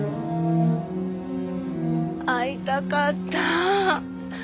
会いたかった。